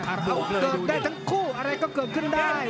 เกิดได้ทั้งคู่อะไรก็เกิดขึ้นได้